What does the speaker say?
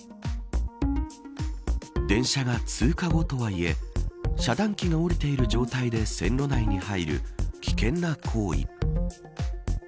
電車が通過後とはいえ遮断機が下りている状態で線路内に入る危険な行為。